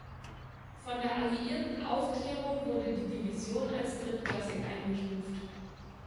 Von der alliierten Aufklärung wurde die Division als drittklassig eingestuft.